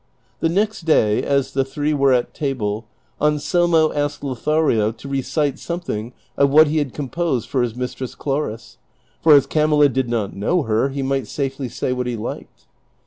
The next day as the three were at table Anselmo asked Lothario to recite something of wliat he had composed for his mistress Chloris ; for, as Camilla did not know her, he might safely say what he liked.